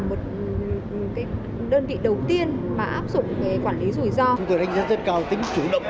một cái đơn vị đầu tiên mà áp dụng về quản lý rủi ro chúng tôi đánh giá rất cao tính chủ động